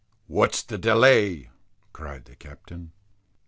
"What's the delay?" cried the captain.